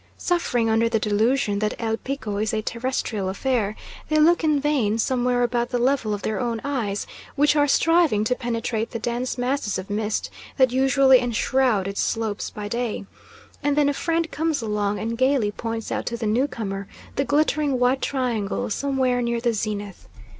Suffering under the delusion that El Pico is a terrestrial affair, they look in vain somewhere about the level of their own eyes, which are striving to penetrate the dense masses of mist that usually enshroud its slopes by day, and then a friend comes along, and gaily points out to the newcomer the glittering white triangle somewhere near the zenith.